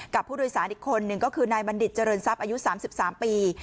กับผู้โดยสารอีกคนหนึ่งก็คือนายบัณฑิตเจริญทรัพย์อายุ๓๓ปี